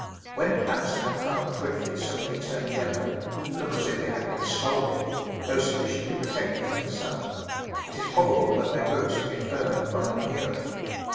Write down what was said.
When plants that have come up thrifty suddenly turn yellow and look as if they had been scalded, though sufficiently protected from die sun, it is probable that their roots have been burned by the manure.